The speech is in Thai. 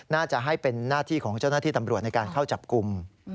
น่าจะให้เป็นหน้าที่ของเจ้าหน้าที่ตำรวจในการเข้าจับกลุ่ม